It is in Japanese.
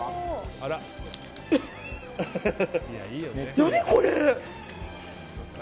何これ！